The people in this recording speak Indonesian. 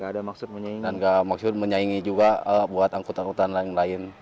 dan tidak maksud menyaingi juga buat angkutan angkutan lain lain